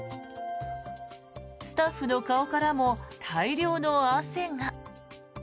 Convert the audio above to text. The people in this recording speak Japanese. スタッフの顔からも大量の汗が。